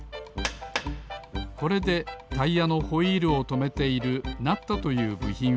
これでタイヤのホイールをとめているナットというぶひんをたたきます